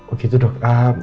oh gitu dok